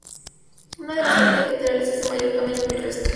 Una de las capillas laterales es de mayor tamaño que el resto.